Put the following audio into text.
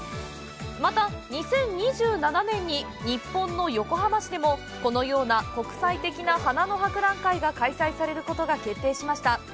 また、２０２７年に日本の横浜市でもこのような国際的な花の博覧会が開催されることが決定しました。